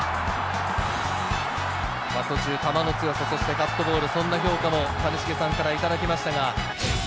途中、球の強さ、カットボール、そんな評価も谷繁さんからいただきました。